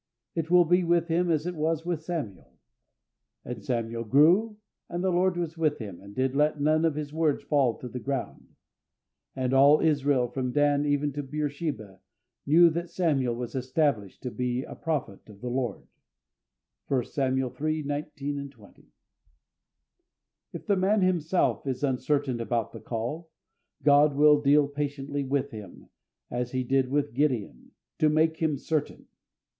It will be with him as it was with Samuel. "And Samuel grew, and the Lord was with him, and did let none of His words fall to the ground. And all Israel, from Dan even to Beersheba, knew that Samuel was established to be a prophet of the Lord" (1 Samuel iii. 19, 20). If the man himself is uncertain about the call, God will deal patiently with him, as He did with Gideon, to make him certain.